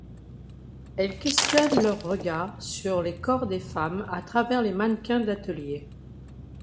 Elle questionne leur regard sur les corps des femmes à travers les mannequins d'atelier.